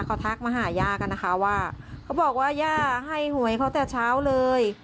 เขาทักมาหาย่ากันนะคะว่าเขาบอกว่าย่าให้หวยเขาแต่เช้าเลย